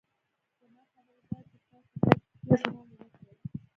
زما خبره داده چې تاسو بايد هېڅ غم ونه کړئ.